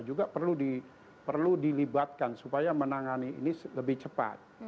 juga perlu dilibatkan supaya menangani ini lebih cepat